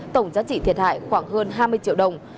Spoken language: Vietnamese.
tổng giá trị thiệt hại khoảng hơn hai mươi triệu đồng